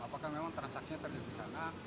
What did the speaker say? apakah memang transaksinya terjadi di sana